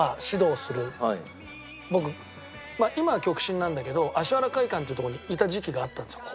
僕今は極真なんだけど芦原会館っていうとこにいた時期があったんですよ